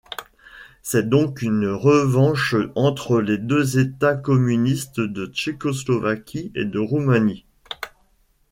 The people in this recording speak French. C'est donc une revanche entre les deux états communistes de Tchécoslovaquie et de Roumanie.